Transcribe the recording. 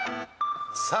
さあ